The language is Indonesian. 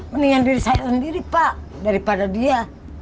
mendingan diri saya sendiri pak daripada dia